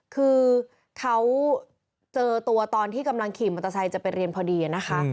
คือเขาเจอตัวตอนที่กำลังขี่มอเตอร์ไซค์จะไปเรียนพอดีนะคะ